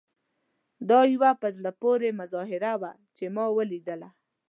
دا یوه په زړه پورې مظاهره وه چې ما ولیدله.